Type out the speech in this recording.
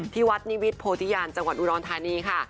ที่วัดนิวิตโพธิญาณจังหวัดอุดรธานีค่ะ